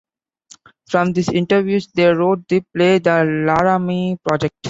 From these interviews they wrote the play "The Laramie Project".